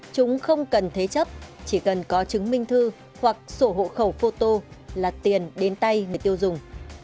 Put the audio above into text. chúng không cần thế chấp chỉ cần có chứng minh thư hoặc sổ hộ khẩu photo là tiền đến tay người tiêu dùng